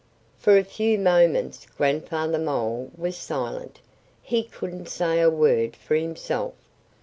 For a few moments Grandfather Mole was silent. He couldn't say a word for himself.